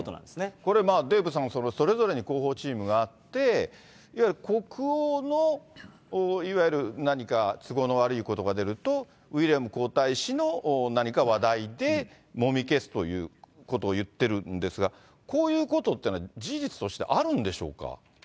これ、デーブさん、それぞれに広報チームがあって、いわゆる国王のいわゆる何か都合の悪いことが出ると、ウィリアム皇太子の何か話題で、もみ消すということをいってるんですが、こういうことっていうのは事実としてあるんでしょうか？